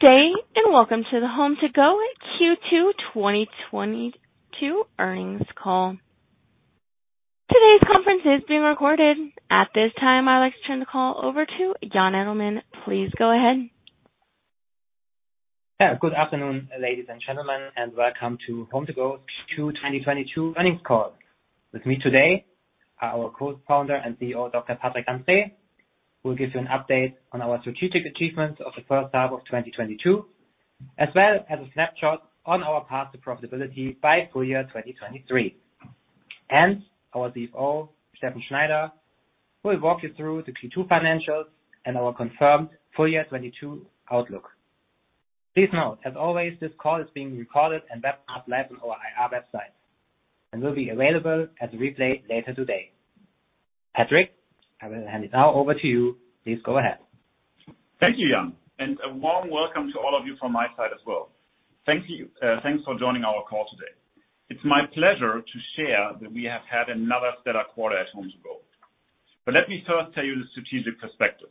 Good day, and welcome to the HomeToGo Q2 2022 Earnings Call. Today's conference is being recorded. At this time, I would like to turn the call over to Jan Edelmann. Please go ahead. Yeah. Good afternoon, ladies and gentlemen, and welcome to HomeToGo Q2 2022 Earnings Call. With me today are our Co-founder and CEO, Dr. Patrick Andrae, who will give you an update on our strategic achievements of the first half of 2022, as well as a snapshot on our path to profitability by full year 2023. Our CFO, Steffen Schneider, who will walk you through the Q2 financials and our confirmed full year 2022 outlook. Please note, as always, this call is being recorded and webcast live on our IR website and will be available as a replay later today. Patrick, I will hand it now over to you. Please go ahead. Thank you, Jan, and a warm welcome to all of you from my side as well. Thank you. Thanks for joining our call today. It's my pleasure to share that we have had another stellar quarter at HomeToGo. Let me first tell you the strategic perspective.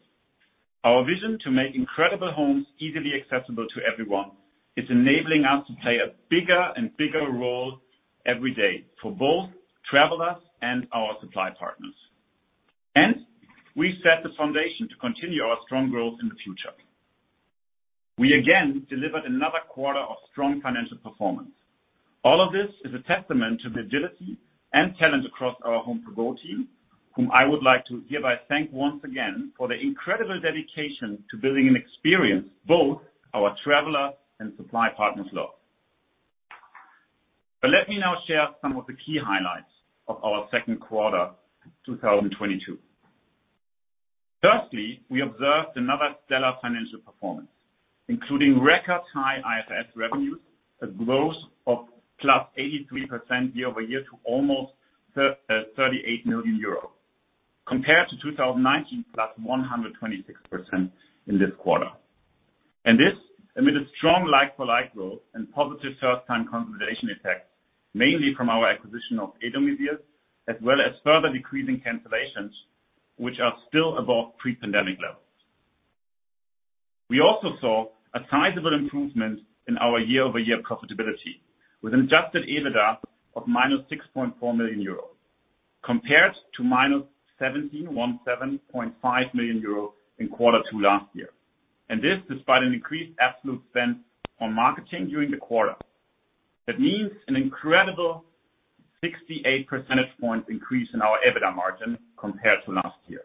Our vision to make incredible homes easily accessible to everyone is enabling us to play a bigger and bigger role every day for both travelers and our supply partners. We set the foundation to continue our strong growth in the future. We again delivered another quarter of strong financial performance. All of this is a testament to the agility and talent across our HomeToGo team, whom I would like to hereby thank once again for their incredible dedication to building an experience both our travelers and supply partners love. Let me now share some of the key highlights of our Q2 2022. Firstly, we observed another stellar financial performance, including record high IFRS revenues, a growth of +83% year-over-year to almost 38 million euros. Compared to 2019, +126% in this quarter. This amid a strong like-for-like growth and positive first-time consolidation effects, mainly from our acquisition of E-Domizil, as well as further decreasing cancellations, which are still above pre-pandemic levels. We also saw a sizable improvement in our year-over-year profitability with an adjusted EBITDA of -6.4 million euros, compared to -17.5 million euros in quarter two last year. This despite an increased absolute spend on marketing during the quarter. That means an incredible 68 percentage point increase in our EBITDA margin compared to last year.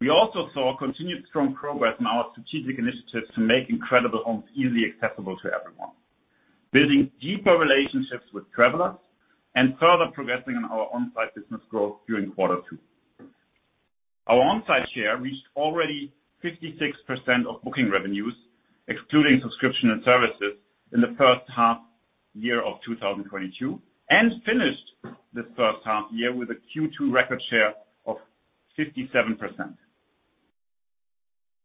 We also saw continued strong progress in our strategic initiatives to make incredible homes easily accessible to everyone, building deeper relationships with travelers and further progressing on our on-site business growth during Q2. Our on-site share reached already 56% of booking revenues, excluding subscription and services, in the first half year of 2022, and finished this first half year with a Q2 record share of 57%.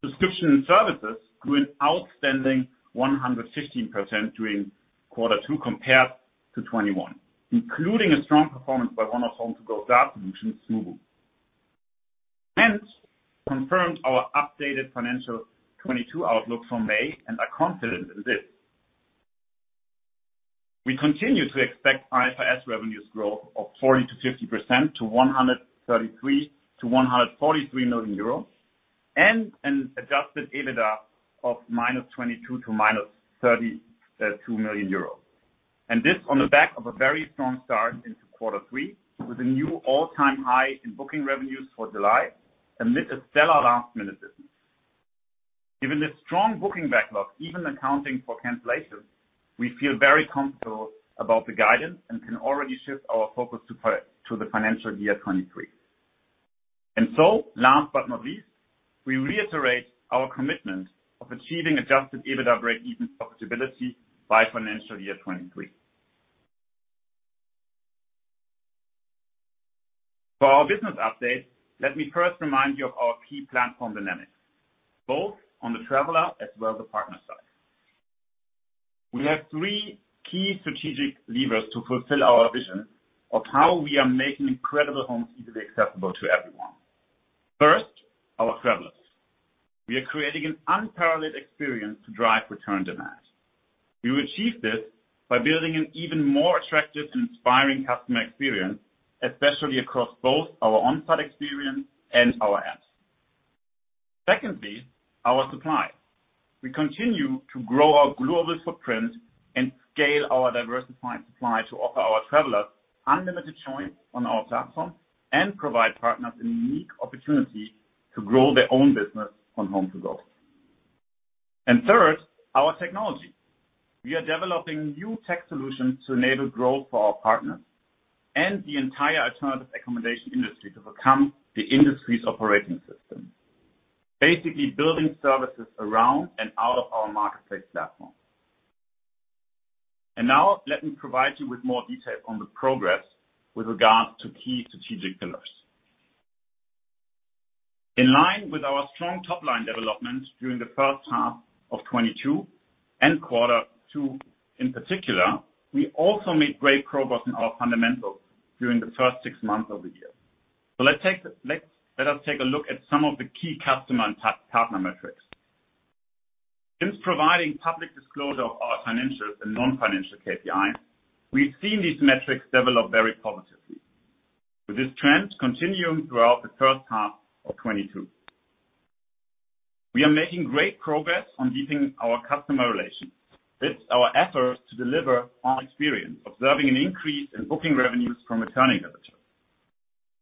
Subscription and services grew an outstanding 115% during Q2 compared to 2021, including a strong performance by one of HomeToGo's data solutions, Smoobu. Confirmed our updated financial 2022 outlook from May and are confident in this. We continue to expect IFRS revenues growth of 40%-50% to 133 million-143 million euro and an adjusted EBITDA of -22 million to -32 million euro. This on the back of a very strong start into Q3 with a new all-time high in booking revenues for July amid a stellar last-minute business. Given the strong booking backlog, even accounting for cancellations, we feel very comfortable about the guidance and can already shift our focus to the financial year 2023. Last but not least, we reiterate our commitment of achieving adjusted EBITDA breakeven profitability by financial year 2023. For our business update, let me first remind you of our key platform dynamics, both on the traveler as well as the partner side. We have three key strategic levers to fulfill our vision of how we are making incredible homes easily accessible to everyone. First, our travelers. We are creating an unparalleled experience to drive return demand. We achieve this by building an even more attractive and inspiring customer experience, especially across both our on-site experience and our apps. Secondly, our supply. We continue to grow our global footprint and scale our diversified supply to offer our travelers unlimited choice on our platform and provide partners a unique opportunity to grow their own business on HomeToGo. Third, our technology. We are developing new tech solutions to enable growth for our partners and the entire alternative accommodation industry to become the industry's operating system, basically building services around and out of our marketplace platform. Now let me provide you with more detail on the progress with regard to key strategic pillars. In line with our strong top-line development during the first half of 2022 and Q2 in particular, we also made great progress in our fundamentals during the first six months of the year. Let us take a look at some of the key customer and partner metrics. Since providing public disclosure of our financials and non-financial KPI, we've seen these metrics develop very positively, with this trend continuing throughout the first half of 2022. We are making great progress on deepening our customer relations with our efforts to deliver on experience, observing an increase in booking revenues from returning visitors.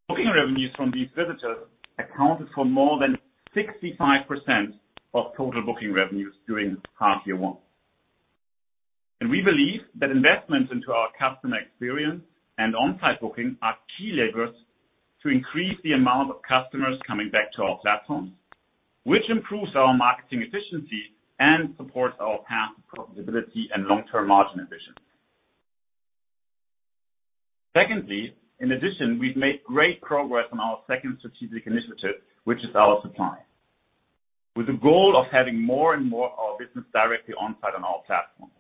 Booking revenues from these visitors accounted for more than 65% of total booking revenues during half year one. We believe that investments into our customer experience and on-site booking are key levers to increase the amount of customers coming back to our platform, which improves our marketing efficiency and supports our path to profitability and long-term margin efficiency. Secondly, in addition, we've made great progress on our second strategic initiative, which is our supply. With the goal of having more and more of our business directly on-site on our platform,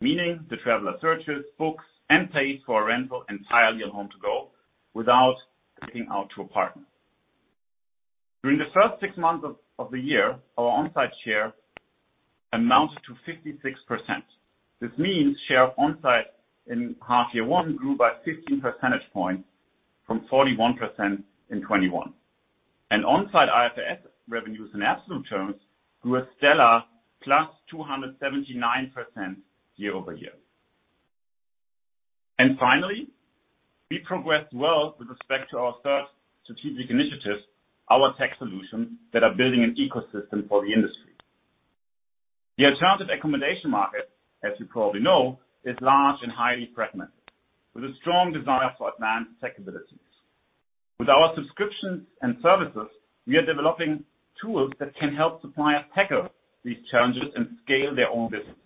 meaning the traveler searches, books, and pays for a rental entirely on HomeToGo without taking out to a partner. During the first six months of the year, our on-site share amounted to 56%. This means share of on-site in half year one grew by 15 percentage points from 41% in 2021. On-site IFRS revenues in absolute terms grew a stellar +279% year-over-year. Finally, we progressed well with respect to our third strategic initiative, our tech solutions that are building an ecosystem for the industry. The alternative accommodation market, as you probably know, is large and highly fragmented, with a strong desire for advanced tech abilities. With our subscriptions and services, we are developing tools that can help suppliers tackle these challenges and scale their own businesses.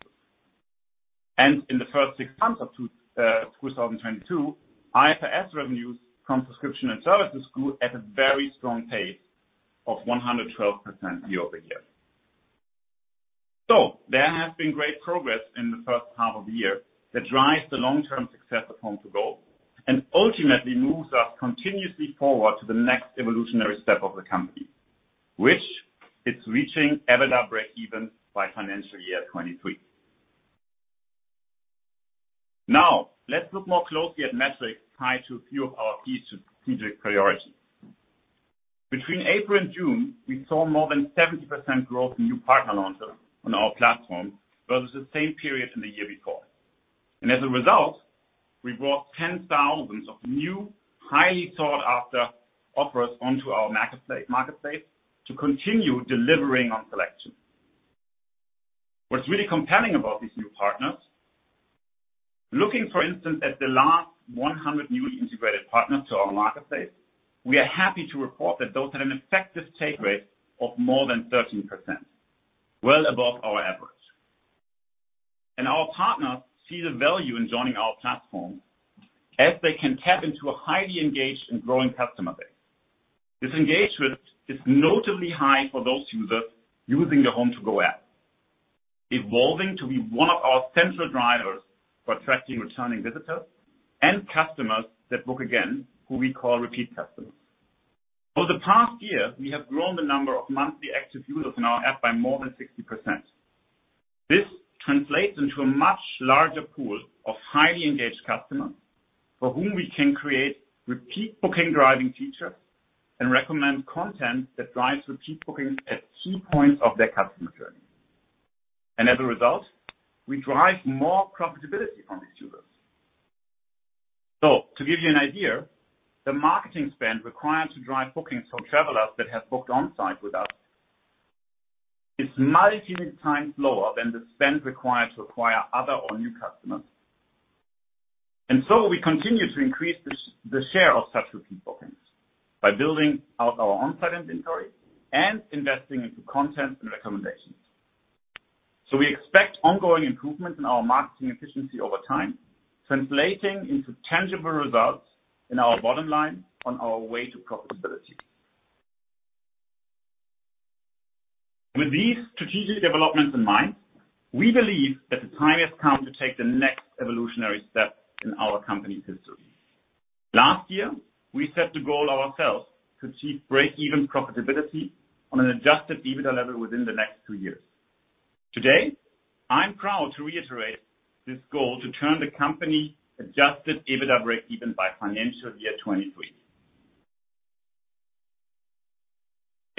In the first six months of 2022, IFRS revenues from subscription and services grew at a very strong pace of 112% year-over-year. There has been great progress in the first half of the year that drives the long-term success of HomeToGo, and ultimately moves us continuously forward to the next evolutionary step of the company, which is reaching EBITDA breakeven by financial year 2023. Now, let's look more closely at metrics tied to a few of our key strategic priorities. Between April and June, we saw more than 70% growth in new partner launches on our platform versus the same period in the year before. As a result, we brought 10,000 of new, highly sought after offers onto our marketplace to continue delivering on selection. What's really compelling about these new partners, looking, for instance, at the last 100 newly integrated partners to our marketplace, we are happy to report that those had an effective take rate of more than 13%, well above our average. Our partners see the value in joining our platform as they can tap into a highly engaged and growing customer base. This engagement is notably high for those users using the HomeToGo app, evolving to be one of our central drivers for attracting returning visitors and customers that book again, who we call repeat customers. Over the past year, we have grown the number of monthly active users in our app by more than 60%. This translates into a much larger pool of highly engaged customers for whom we can create repeat booking driving features and recommend content that drives repeat bookings at key points of their customer journey. As a result, we drive more profitability from these users. To give you an idea, the marketing spend required to drive bookings from travelers that have booked on-site with us is many times lower than the spend required to acquire other or new customers. We continue to increase the share of such repeat bookings by building out our on-site inventory and investing into content and recommendations. We expect ongoing improvements in our marketing efficiency over time, translating into tangible results in our bottom line on our way to profitability. With these strategic developments in mind, we believe that the time has come to take the next evolutionary step in our company history. Last year, we set the goal ourselves to achieve breakeven profitability on an adjusted EBITDA level within the next two years. Today, I'm proud to reiterate this goal to turn the company adjusted EBITDA breakeven by financial year 2023.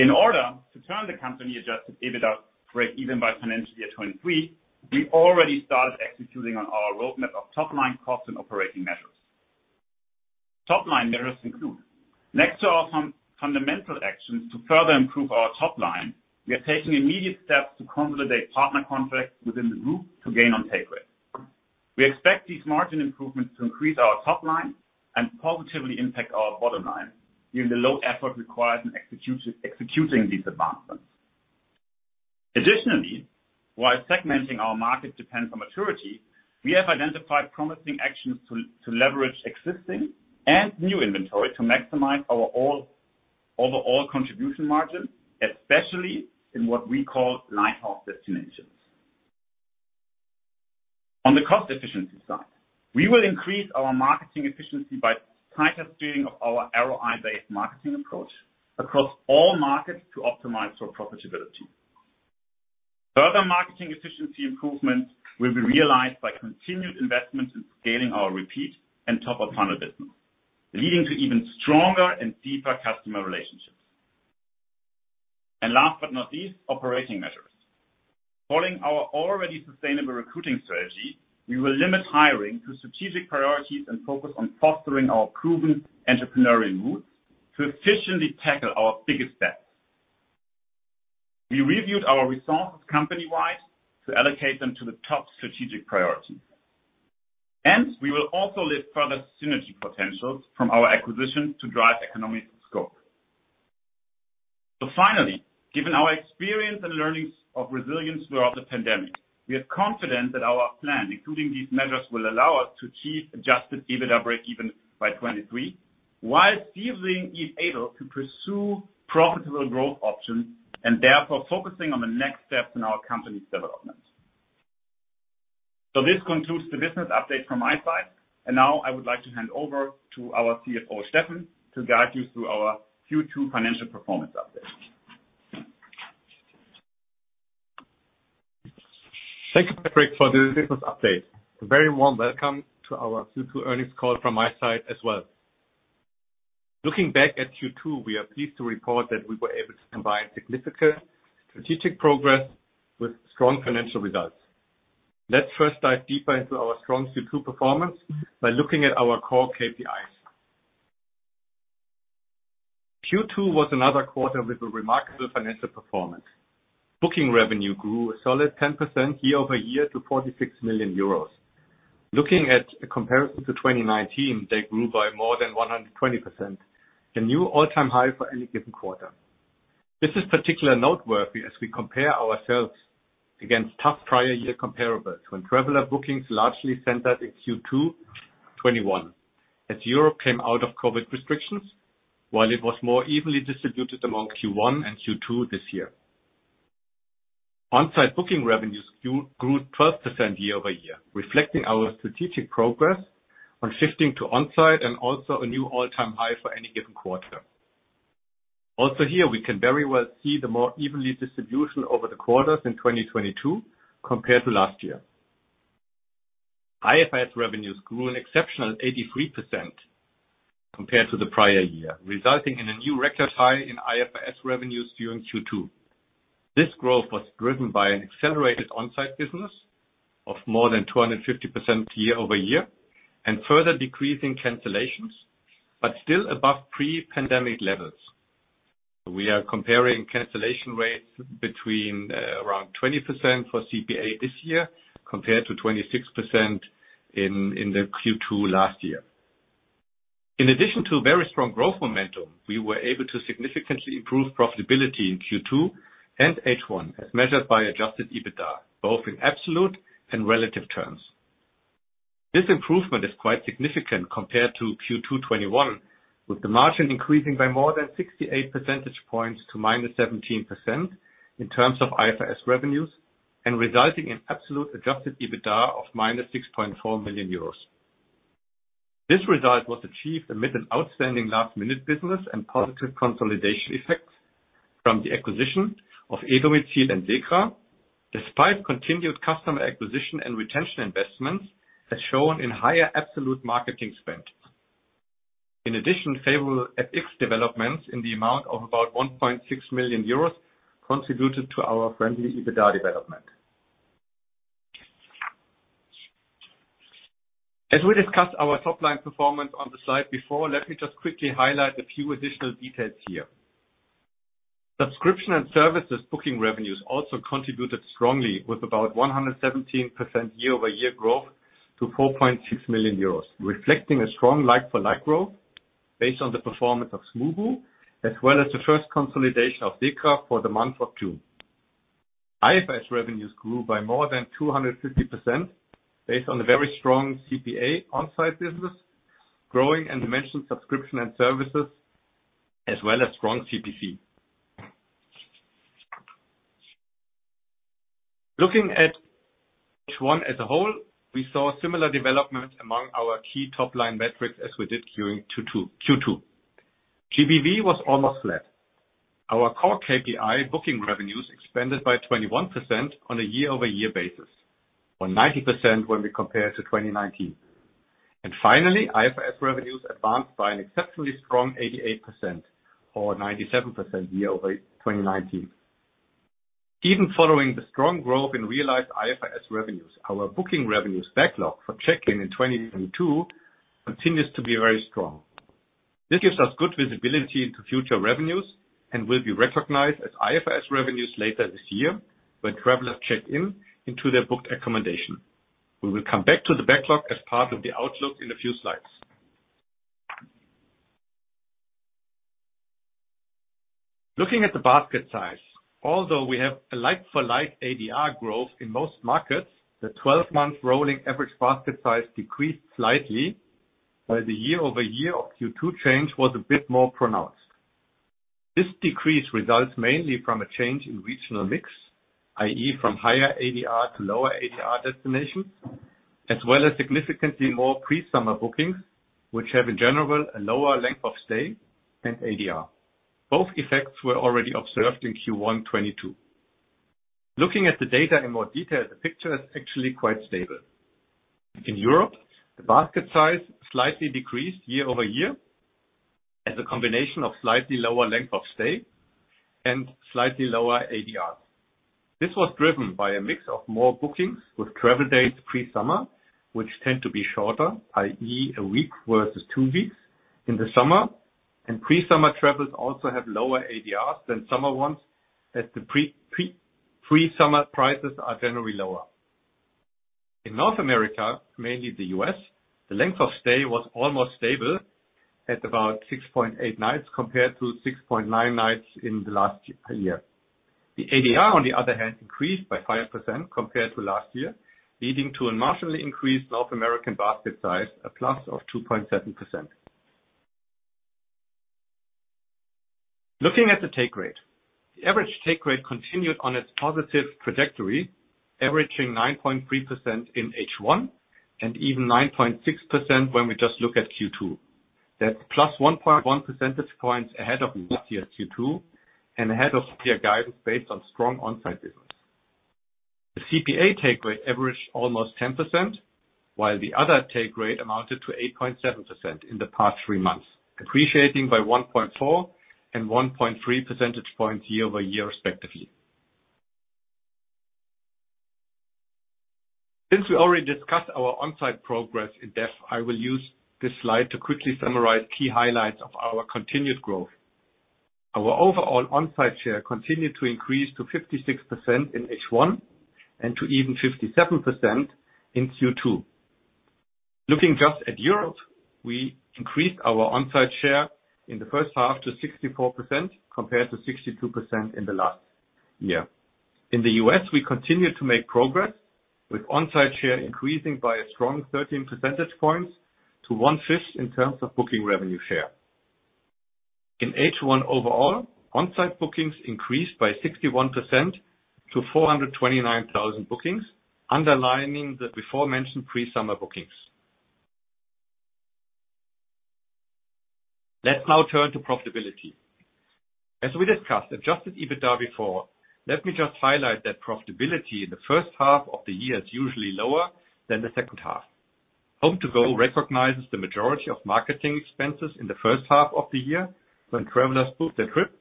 In order to turn the company adjusted EBITDA breakeven by financial year 2023, we already started executing on our roadmap of top-line cost and operating measures. Top-line measures include next to our fundamental actions to further improve our top line, we are taking immediate steps to consolidate partner contracts within the group to gain on take rates. We expect these margin improvements to increase our top line and positively impact our bottom line given the low effort required in executing these advancements. Additionally, while segmenting our market depends on maturity, we have identified promising actions to leverage existing and new inventory to maximize our overall contribution margin, especially in what we call lighthouse destinations. On the cost efficiency side, we will increase our marketing efficiency by tighter steering of our ROI-based marketing approach across all markets to optimize for profitability. Further marketing efficiency improvements will be realized by continued investments in scaling our repeat and top-of-funnel business, leading to even stronger and deeper customer relationships. Last but not least, operating measures. Following our already sustainable recruiting strategy, we will limit hiring to strategic priorities and focus on fostering our proven entrepreneurial roots to efficiently tackle our biggest steps. We reviewed our resources company-wide to allocate them to the top strategic priorities, and we will also lift further synergy potentials from our acquisition to drive economic scope. Finally, given our experience and learnings of resilience throughout the pandemic, we are confident that our plan, including these measures, will allow us to achieve adjusted EBITDA breakeven by 2023, while still being able to pursue profitable growth options and therefore focusing on the next steps in our company's development. This concludes the business update from my side, and now I would like to hand over to our CFO, Steffen, to guide you through our Q2 financial performance update. Thank you, Patrick, for the business update. A very warm welcome to our Q2 earnings call from my side as well. Looking back at Q2, we are pleased to report that we were able to combine significant strategic progress with strong financial results. Let's first dive deeper into our strong Q2 performance by looking at our core KPIs. Q2 was another quarter with a remarkable financial performance. Booking revenue grew a solid 10% year-over-year to 46 million euros. Looking at a comparison to 2019, they grew by more than 120%, a new all-time high for any given quarter. This is particularly noteworthy as we compare ourselves against tough prior year comparables when traveler bookings largely centered in Q2 2021 as Europe came out of COVID restrictions while it was more evenly distributed among Q1 and Q2 this year. On-site booking revenues grew 12% year-over-year, reflecting our strategic progress on shifting to on-site and also a new all-time high for any given quarter. Also here, we can very well see the more even distribution over the quarters in 2022 compared to last year. IFRS revenues grew an exceptional 83% compared to the prior year, resulting in a new record high in IFRS revenues during Q2. This growth was driven by an accelerated on-site business of more than 250% year-over-year and further decrease in cancellations, but still above pre-pandemic levels. We are comparing cancellation rates between around 20% for CPA this year compared to 26% in the Q2 last year. In addition to very strong growth momentum, we were able to significantly improve profitability in Q2 and H1 as measured by adjusted EBITDA, both in absolute and relative terms. This improvement is quite significant compared to Q2 2021, with the margin increasing by more than 68 percentage points to -17% in terms of IFRS revenues and resulting in absolute adjusted EBITDA of -6.4 million euros. This result was achieved amid an outstanding last-minute business and positive consolidation effects from the acquisition of E-Domizil and SECRA, despite continued customer acquisition and retention investments as shown in higher absolute marketing spend. In addition, favorable FX developments in the amount of about 1.6 million euros contributed to our friendly EBITDA development. As we discussed our top-line performance on the slide before, let me just quickly highlight a few additional details here. Subscription and services booking revenues also contributed strongly with about 117% year-over-year growth to 4.6 million euros, reflecting a strong like-for-like growth based on the performance of Smoobu, as well as the first consolidation of SECRA for the month of June. IFRS revenues grew by more than 250% based on the very strong CPA on-site business, growing and expansion subscription and services, as well as strong CPC. Looking at H1 as a whole, we saw similar development among our key top-line metrics as we did during Q2. GBV was almost flat. Our core KPI booking revenues expanded by 21% on a year-over-year basis, or 90% when we compare to 2019. Finally, IFRS revenues advanced by an exceptionally strong 88% or 97% year over 2019. Even following the strong growth in realized IFRS revenues, our booking revenues backlog for check-in in 2022 continues to be very strong. This gives us good visibility into future revenues and will be recognized as IFRS revenues later this year when travelers check in to their booked accommodation. We will come back to the backlog as part of the outlook in a few slides. Looking at the basket size. Although we have a like-for-like ADR growth in most markets, the 12-month rolling average basket size decreased slightly, while the year-over-year of Q2 change was a bit more pronounced. This decrease results mainly from a change in regional mix, i.e., from higher ADR to lower ADR destinations, as well as significantly more pre-summer bookings, which have in general a lower length of stay and ADR. Both effects were already observed in Q1 2022. Looking at the data in more detail, the picture is actually quite stable. In Europe, the basket size slightly decreased year-over-year as a combination of slightly lower length of stay and slightly lower ADR. This was driven by a mix of more bookings with travel dates pre-summer, which tend to be shorter, i.e., a week versus two weeks in the summer, and pre-summer travels also have lower ADRs than summer ones, as the pre-summer prices are generally lower. In North America, mainly the U.S., the length of stay was almost stable at about 6.8 nights compared to 6.9 nights in the last year. The ADR, on the other hand, increased by 5% compared to last year, leading to a marginally increased North American basket size, a plus of 2.7%. Looking at the take rate. The average take rate continued on its positive trajectory, averaging 9.3% in H1 and even 9.6% when we just look at Q2. That's +1.1 percentage points ahead of last year's Q2 and ahead of clear guidance based on strong on-site business. The CPA take rate averaged almost 10%, while the other take rate amounted to 8.7% in the past three months, appreciating by 1.4 percentage points and 1.3 percentage points year-over-year, respectively. Since we already discussed our on-site progress in depth, I will use this slide to quickly summarize key highlights of our continued growth. Our overall on-site share continued to increase to 56% in H1 and to even 57% in Q2. Looking just at Europe, we increased our on-site share in the first half to 64% compared to 62% in the last year. In the U.S., we continued to make progress with on-site share increasing by a strong 13 percentage points to 1/5 in terms of booking revenue share. In H1 overall, on-site bookings increased by 61% to 429,000 bookings, underlining the before mentioned pre-summer bookings. Let's now turn to profitability. As we discussed adjusted EBITDA before, let me just highlight that profitability in the first half of the year is usually lower than the second half. HomeToGo recognizes the majority of marketing expenses in the first half of the year when travelers book their trip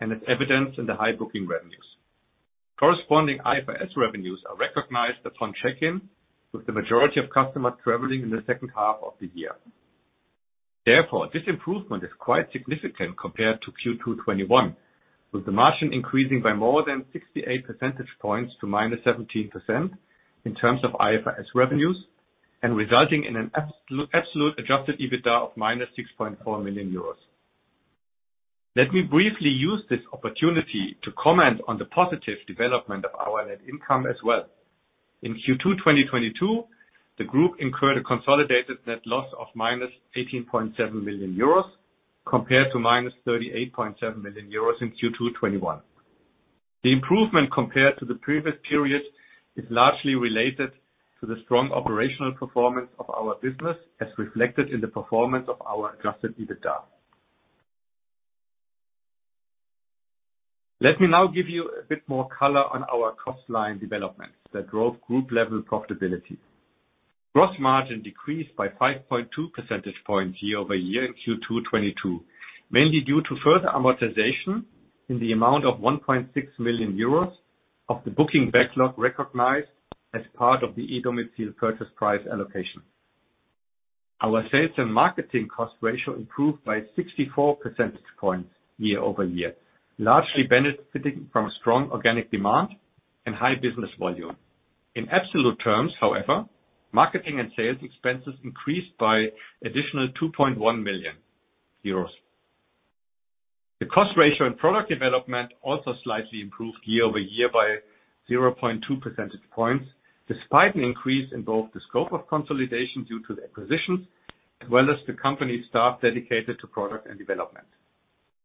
and it's evidenced in the high booking revenues. Corresponding IFRS revenues are recognized upon check-in, with the majority of customers traveling in the second half of the year. Therefore, this improvement is quite significant compared to Q2 2021, with the margin increasing by more than 68 percentage points to -17% in terms of IFRS revenues and resulting in an absolute adjusted EBITDA of -6.4 million euros. Let me briefly use this opportunity to comment on the positive development of our net income as well. In Q2 2022, the group incurred a consolidated net loss of -18.7 million euros compared to -38.7 million euros in Q2 2021. The improvement compared to the previous period is largely related to the strong operational performance of our business, as reflected in the performance of our adjusted EBITDA. Let me now give you a bit more color on our cost line developments that drove group level profitability. Gross margin decreased by 5.2 percentage points year-over-year in Q2 2022, mainly due to further amortization in the amount of 1.6 million euros of the booking backlog recognized as part of the E-Domizil purchase price allocation. Our sales and marketing cost ratio improved by 64 percentage points year-over-year, largely benefiting from strong organic demand and high business volume. In absolute terms, however, marketing and sales expenses increased by additional 2.1 million euros. The cost ratio in product development also slightly improved year-over-year by 0.2 percentage points, despite an increase in both the scope of consolidation due to the acquisitions, as well as the company staff dedicated to product and development.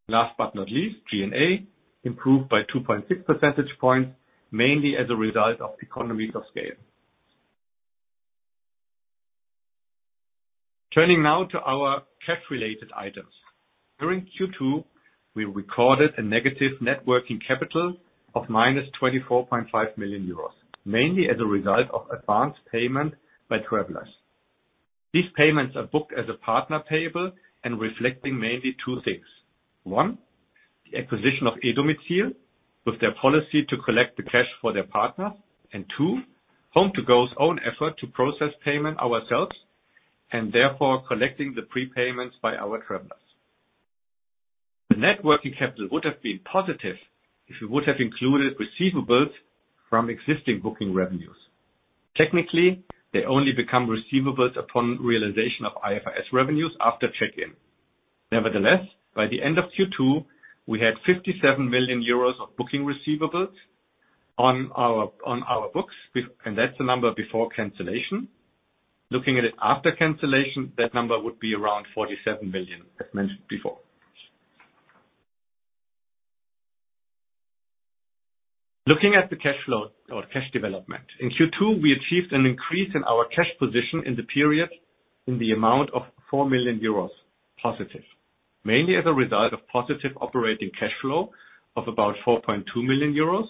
Last but not least, G&A improved by 2.6 percentage points, mainly as a result of economies of scale. Turning now to our cash related items. During Q2, we recorded a negative net working capital of -24.5 million euros, mainly as a result of advanced payment by travelers. These payments are booked as a partner payable and reflecting mainly two things. One, the acquisition of E-Domizil, with their policy to collect the cash for their partner. Two, HomeToGo's own effort to process payment ourselves and therefore collecting the prepayments by our travelers. The net working capital would have been positive if it would have included receivables from existing booking revenues. Technically, they only become receivables upon realization of IFRS revenues after check-in. Nevertheless, by the end of Q2, we had 57 million euros of booking receivables on our books, and that's the number before cancellation. Looking at it after cancellation, that number would be around 47 million, as mentioned before. Looking at the cash flow or cash development. In Q2, we achieved an increase in our cash position in the period in the amount of 4 million euros positive, mainly as a result of positive operating cash flow of about 4.2 million euros,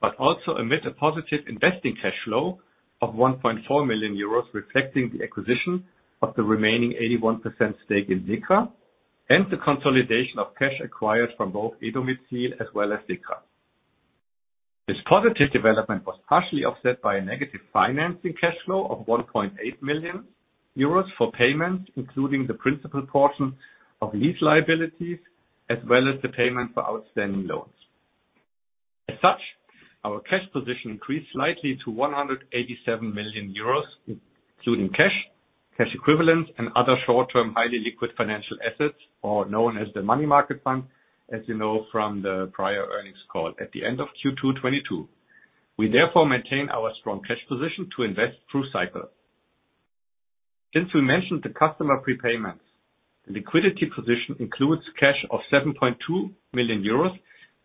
but also amid a positive investing cash flow of 1.4 million euros, reflecting the acquisition of the remaining 81% stake in SECRA and the consolidation of cash acquired from both E-Domizil as well as SECRA. This positive development was partially offset by a negative financing cash flow of 1.8 million euros for payments, including the principal portion of lease liabilities as well as the payment for outstanding loans. Our cash position increased slightly to 187 million euros, including cash equivalents and other short-term highly liquid financial assets, or known as the money market fund, as you know from the prior earnings call at the end of Q2 2022. We therefore maintain our strong cash position to invest through cycle. Since we mentioned the customer prepayments, the liquidity position includes cash of 7.2 million euros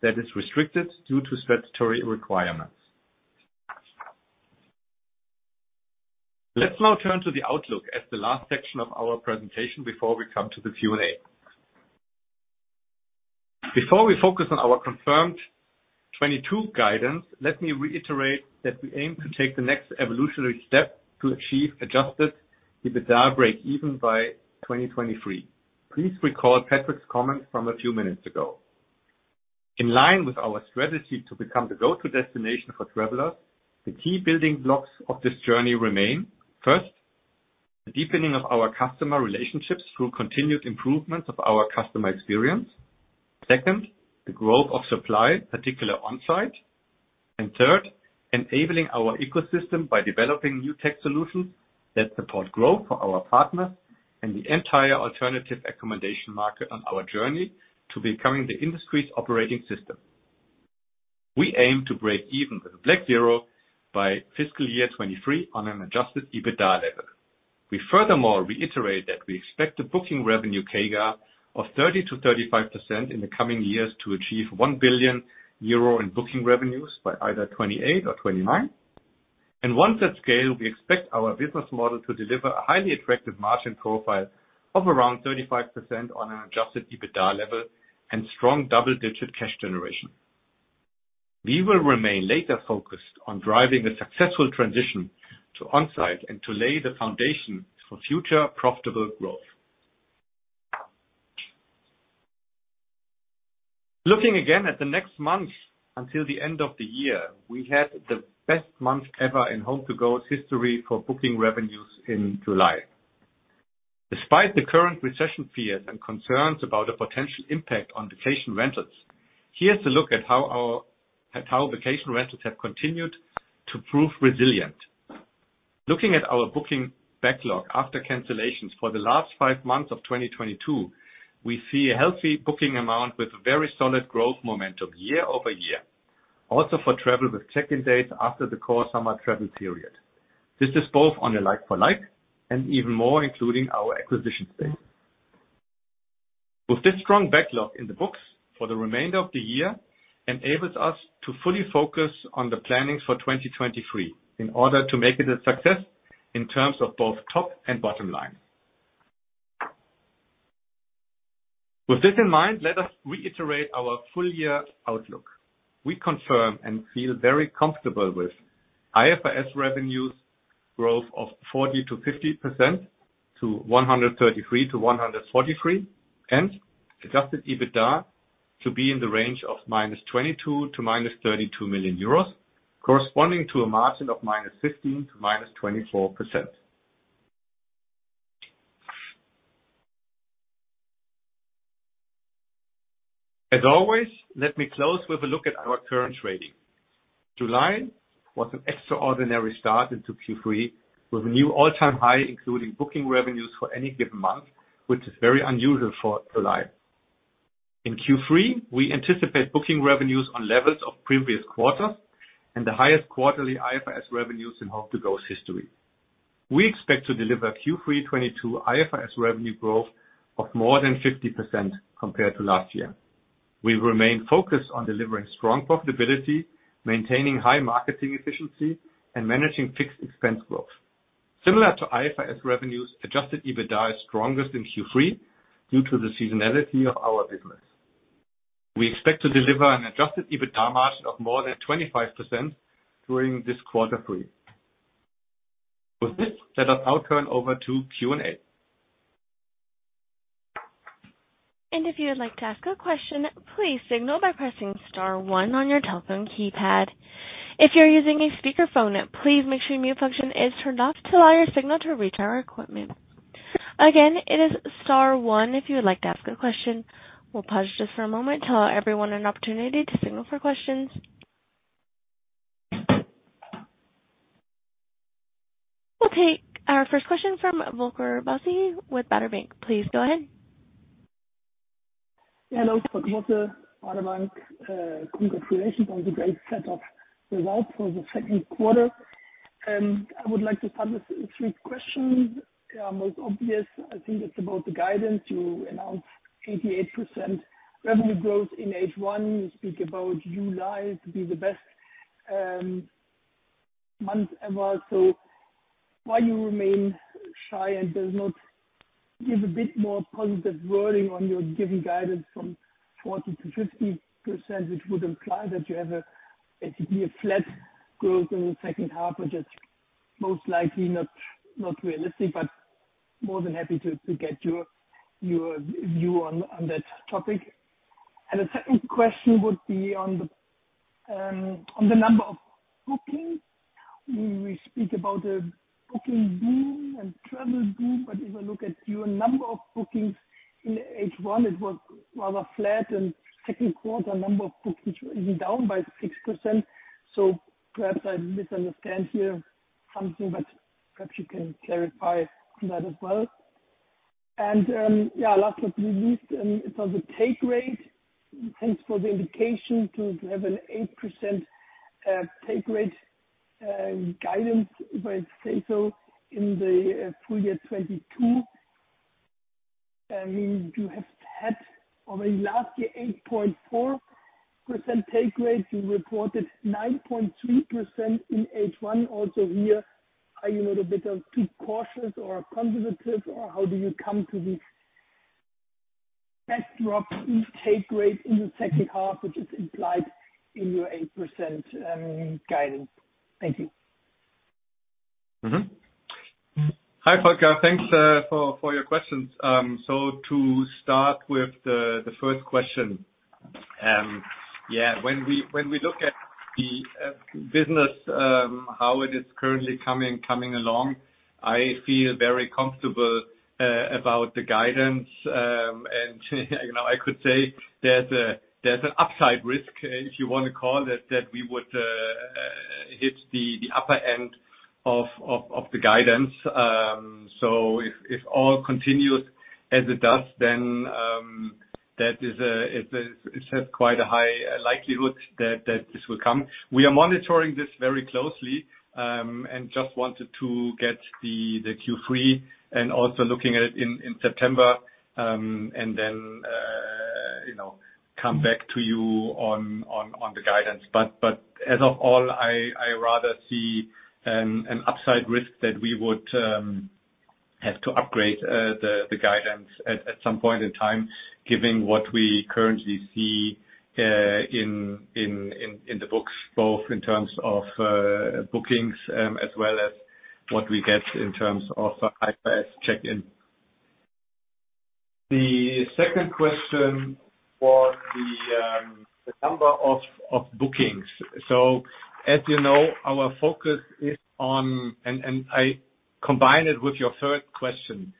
that is restricted due to statutory requirements. Let's now turn to the outlook as the last section of our presentation before we come to the Q&A. Before we focus on our confirmed 2022 guidance, let me reiterate that we aim to take the next evolutionary step to achieve adjusted EBITDA breakeven by 2023. Please recall Patrick's comments from a few minutes ago. In line with our strategy to become the go-to destination for travelers, the key building blocks of this journey remain. First, the deepening of our customer relationships through continued improvements of our customer experience. Second, the growth of supply, particularly on-site. Third, enabling our ecosystem by developing new tech solutions that support growth for our partners and the entire alternative accommodation market on our journey to becoming the industry's operating system. We aim to break even with a black zero by fiscal year 2023 on an adjusted EBITDA level. We furthermore reiterate that we expect a booking revenue CAGR of 30%-35% in the coming years to achieve 1 billion euro in booking revenues by either 2028 or 2029. Once at scale, we expect our business model to deliver a highly attractive margin profile of around 35% on an adjusted EBITDA level and strong double-digit cash generation. We will remain laser focused on driving a successful transition to on-site and to lay the foundation for future profitable growth. Looking again at the next month until the end of the year, we had the best month ever in HomeToGo's history for booking revenues in July. Despite the current recession fears and concerns about a potential impact on vacation rentals, here's a look at how vacation rentals have continued to prove resilient. Looking at our booking backlog after cancellations for the last five months of 2022, we see a healthy booking amount with very solid growth momentum year-over-year. Also for travel with check-in dates after the core summer travel period. This is both on a like for like and even more including our acquisitions to date. With this strong backlog in the books for the remainder of the year, enables us to fully focus on the planning for 2023 in order to make it a success in terms of both top and bottom line. With this in mind, let us reiterate our full year outlook. We confirm and feel very comfortable with IFRS revenues growth of 40%-50% to 133 million-143 million, and adjusted EBITDA to be in the range of -22 million to -32 million euros, corresponding to a margin of -15% to -24%. As always, let me close with a look at our current rating. July was an extraordinary start into Q3 with a new all-time high, including booking revenues for any given month, which is very unusual for July. In Q3, we anticipate booking revenues on levels of previous quarters and the highest quarterly IFRS revenues in HomeToGo's history. We expect to deliver Q3 2022 IFRS revenue growth of more than 50% compared to last year. We remain focused on delivering strong profitability, maintaining high marketing efficiency and managing fixed expense growth. Similar to IFRS revenues, adjusted EBITDA is strongest in Q3 due to the seasonality of our business. We expect to deliver an adjusted EBITDA margin of more than 25% during this Q3. With this, let us now turn over to Q&A. If you would like to ask a question, please signal by pressing star one on your telephone keypad. If you're using a speakerphone, please make sure mute function is turned off to allow your signal to reach our equipment. Again, it is star one, if you would like to ask a question. We'll pause just for a moment to allow everyone an opportunity to signal for questions. We'll take our first question from Volker Bosse with Baader Bank. Please go ahead. Hello, Volker Bosse, Baader Bank. Congratulations on the great set of results for the second quarter. I would like to start with three questions. Most obvious, I think it's about the guidance. You announced 88% revenue growth in H1. You speak about July to be the best month ever. So why you remain shy and does not give a bit more positive wording on your giving guidance from 40%-50%, which would imply that it will be a flat growth in the second half, which is most likely not realistic, but more than happy to get your view on that topic. The second question would be on the number of bookings. We speak about a booking boom and travel boom, but if I look at your number of bookings in H1, it was rather flat and Q2 number of bookings were even down by 6%. Perhaps I misunderstand here something, but perhaps you can clarify on that as well. Yeah, last but not least, it was a take rate. Thanks for the indication to have an 8% take rate guidance, if I say so, in the full year 2022. I mean, you have had already last year 8.4% take rate. You reported 9.3% in H1 also here. Are you a little bit too cautious or conservative, or how do you come to the best drop in take rate in the second half, which is implied in your 8% guidance? Thank you. Hi, Volker. Thanks for your questions. To start with the first question. Yeah, when we look at the business, how it is currently coming along, I feel very comfortable about the guidance. You know, I could say there's an upside risk, if you wanna call it, that we would hit the upper end of the guidance. If all continues as it does, then that has quite a high likelihood that this will come. We are monitoring this very closely, and just wanted to get the Q3 and also looking at it in September, and then you know, come back to you on the guidance. Above all, I rather see an upside risk that we would have to upgrade the guidance at some point in time, given what we currently see in the books, both in terms of bookings as well as what we get in terms of IFRS check-in. The second question was the number of bookings. As you know, our focus is on. I combine it with your third question.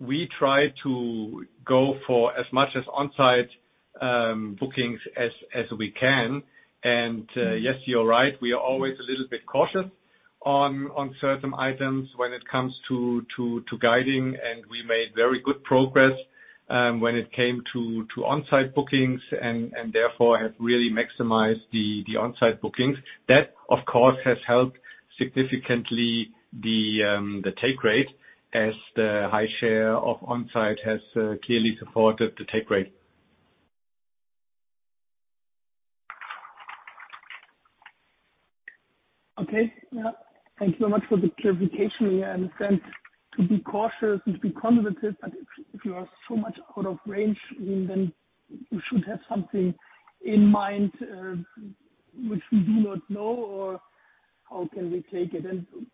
We try to go for as much as on-site bookings as we can. Yes, you're right. We are always a little bit cautious on certain items when it comes to guiding, and we made very good progress when it came to on-site bookings and therefore have really maximized the on-site bookings. That, of course, has helped significantly the take rate as the high share of on-site has clearly supported the take rate. Okay. Yeah. Thank you very much for the clarification. Yeah, I understand. To be cautious and to be conservative, but if you are so much out of range, I mean, then you should have something in mind, which we do not know or how can we take it?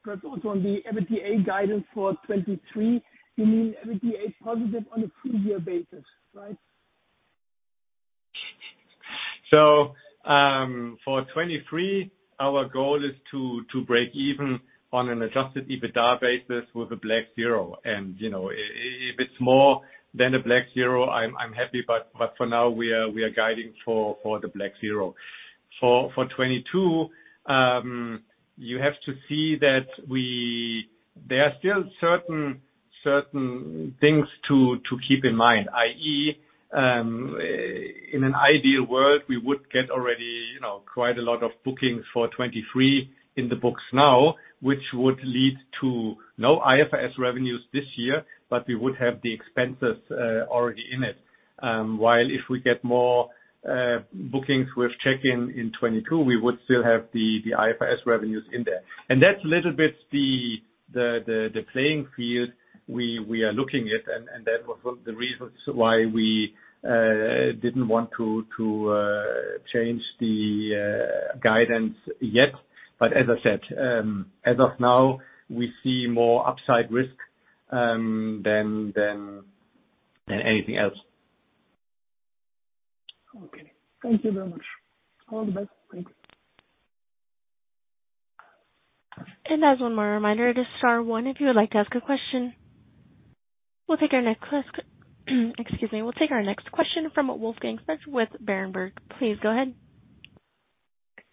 Perhaps also on the EBITDA guidance for 2023, you mean EBITDA is positive on a full year basis, right? For 2023, our goal is to break even on an adjusted EBITDA basis with a black zero. You know, if it's more than a black zero, I'm happy. For now, we are guiding for the black zero. For 2022, you have to see that there are still certain things to keep in mind, i.e., in an ideal world, we would get already, you know, quite a lot of bookings for 2023 in the books now, which would lead to no IFRS revenues this year, but we would have the expenses already in it. While if we get more bookings with check-in in 2022, we would still have the IFRS revenues in there. That's a little bit the playing field we are looking at and that was the reasons why we didn't want to change the guidance yet. As I said, as of now, we see more upside risk than anything else. Thank you very much. All the best. Thank you. As one more reminder, it is star one if you would like to ask a question. We'll take our next question from Wolfgang Specht with Berenberg. Please go ahead.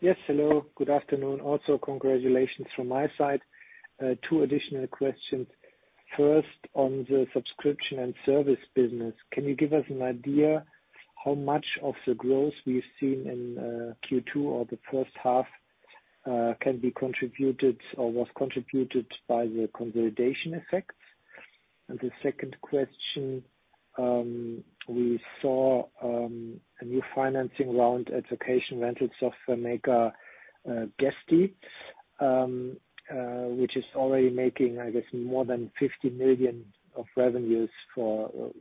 Yes. Hello. Good afternoon. Also, congratulations from my side. Two additional questions. First, on the subscription and service business, can you give us an idea how much of the growth we've seen in Q2 or the first half can be contributed or was contributed by the consolidation effects? The second question, we saw a new financing round for a vacation rental software maker, Guesty, which is already making, I guess, more than 50 million of revenues for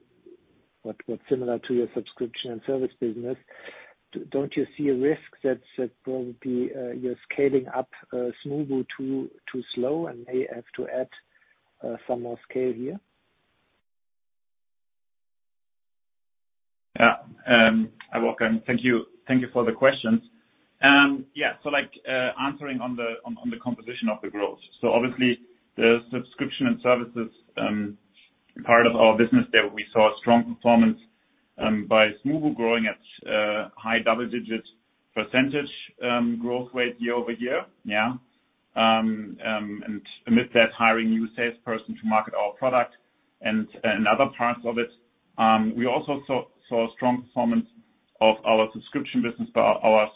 what's similar to your subscription and service business. Don't you see a risk that probably you're scaling up Smoobu too slow and may have to add some more scale here? Yeah. Hi Wolfgang. Thank you. Thank you for the questions. Yeah, so like, answering on the composition of the growth. Obviously the subscription and services part of our business there, we saw a strong performance by Smoobu growing at high double-digit percentage growth rate year-over-year, yeah. And amid that hiring new salesperson to market our product and other parts of it. We also saw a strong performance of our subscription business for our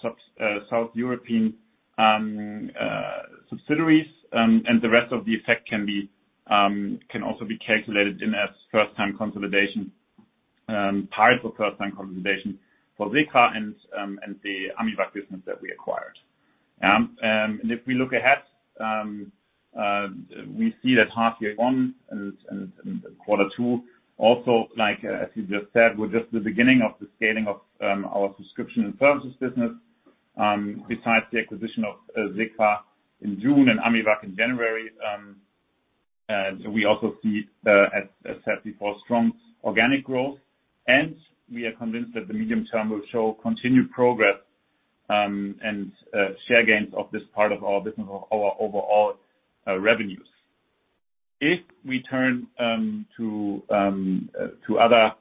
South European subsidiaries. And the rest of the effect can also be calculated in as first time consolidation part of first time consolidation for SECRA and the AMIVAC business that we acquired. If we look ahead, we see that H1 and Q2 also like, as you just said, we're just the beginning of the scaling of our subscription and services business, besides the acquisition of SECRA in June and AMIVAC in January. We also see, as said before, strong organic growth, and we are convinced that the medium term will show continued progress and share gains of this part of our business, our overall revenues. If we turn to other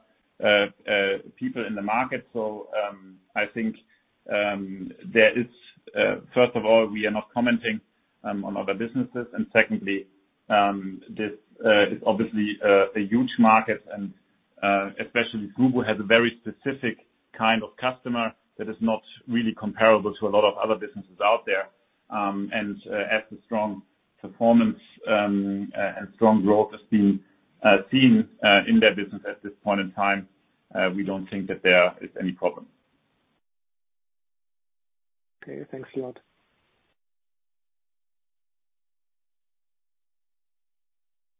people in the market. I think there is first of all, we are not commenting on other businesses. Secondly, this is obviously a huge market and especially Smoobu has a very specific kind of customer that is not really comparable to a lot of other businesses out there. As the strong performance and strong growth is being seen in their business at this point in time, we don't think that there is any problem. Okay. Thanks a lot.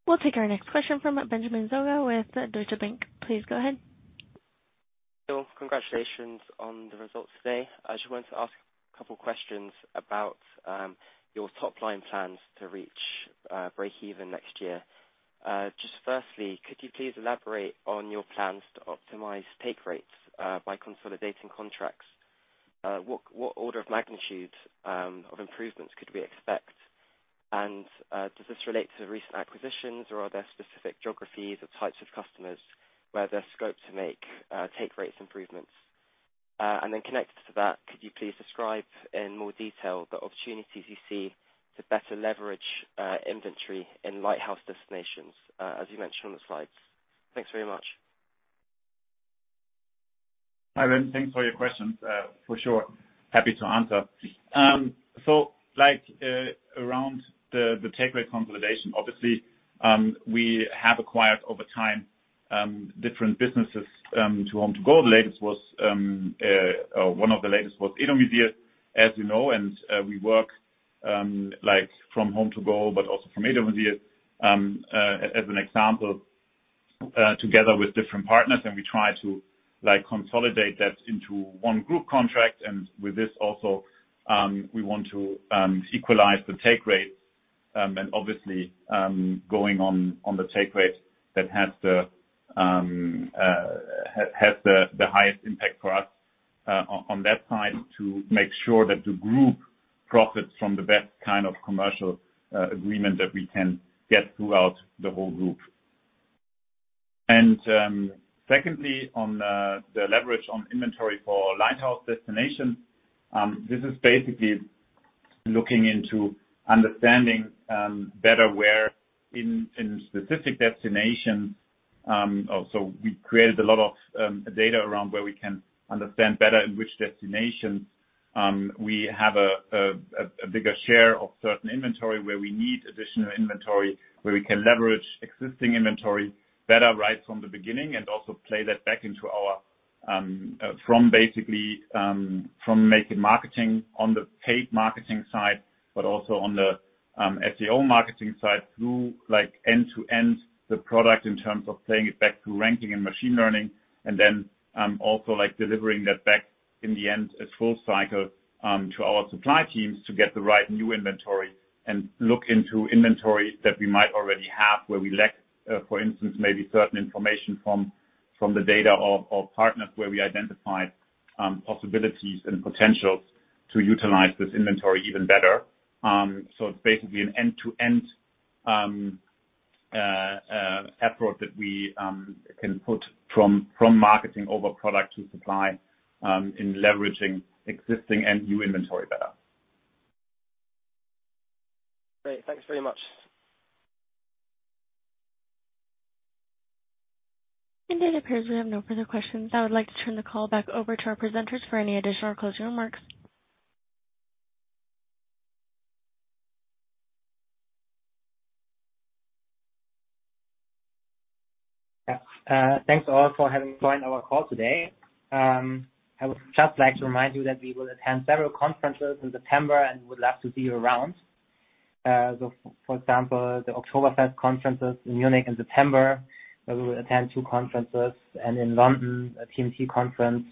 We'll take our next question from Benjamin Zoega with Deutsche Bank. Please go ahead. Congratulations on the results today. I just wanted to ask a couple questions about your top line plans to reach breakeven next year. Just firstly, could you please elaborate on your plans to optimize take rates by consolidating contracts? What order of magnitude of improvements could we expect? Does this relate to recent acquisitions or are there specific geographies or types of customers where there's scope to make take rates improvements? Connected to that, could you please describe in more detail the opportunities you see to better leverage inventory in lighthouse destinations as you mentioned on the slides? Thanks very much. Hi Ben. Thanks for your questions. For sure. Happy to answer. Like around the take rate consolidation, obviously, we have acquired over time different businesses to HomeToGo. One of the latest was E-Domizil, as you know. We work like from HomeToGo, but also from E-Domizil as an example together with different partners and we try to like consolidate that into one group contract. With this also we want to equalize the take rates and obviously going on the take rates that has the highest impact for us on that side to make sure that the group profits from the best kind of commercial agreement that we can get throughout the whole group. Secondly, on the leverage on inventory for lighthouse destinations, this is basically looking into understanding better where in specific destinations. We created a lot of data around where we can understand better in which destinations we have a bigger share of certain inventory, where we need additional inventory, where we can leverage existing inventory better right from the beginning and also play that back into our from basically making marketing on the paid marketing side, but also on the SEO marketing side through like end to end the product in terms of playing it back through ranking and machine learning. also like delivering that back in the end, a full cycle, to our supply teams to get the right new inventory and look into inventory that we might already have where we lack, for instance, maybe certain information from the data or partners where we identified possibilities and potentials to utilize this inventory even better. It's basically an end-to-end effort that we can put from marketing over product to supply in leveraging existing and new inventory better. Great. Thanks very much. It appears we have no further questions. I would like to turn the call back over to our presenters for any additional closing remarks. Yeah. Thanks all for having joined our call today. I would just like to remind you that we will attend several conferences in September and would love to see you around. For example, the Oktoberfest conferences in Munich in September, where we will attend two conferences and in London, a TMT conference.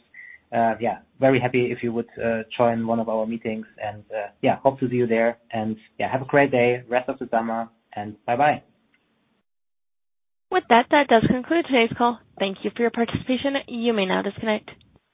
Yeah, very happy if you would join one of our meetings and, yeah, hope to see you there. Yeah, have a great day, rest of the summer and bye-bye. With that does conclude today's call. Thank you for your participation. You may now disconnect.